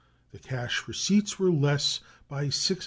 The cash receipts were less by $690,322.